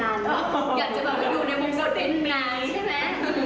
อยากจะอยู่ในวงกรุ่นนี้นานใช่ไหม